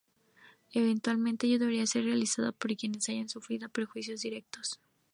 Eventualmente ello debería ser realizado por quienes hayan sufrido perjuicios directos.